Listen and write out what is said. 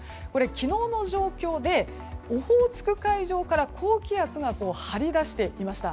昨日の状況でオホーツク海上から高気圧が張り出していました。